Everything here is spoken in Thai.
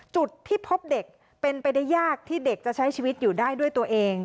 จุดที่พบเด็กเป็นไปได้ยากที่เด็กจะใช้ชีวิตอยู่ได้ด้วยตัวเอง